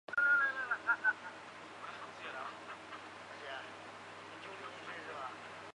它还可以防止水土流失从这些场地防止进一步污染。